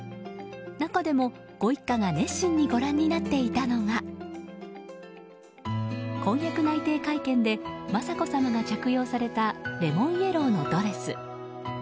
中でも、ご一家が熱心にご覧になっていたのが婚約内定会見で雅子さまが着用されたレモンイエローのドレス。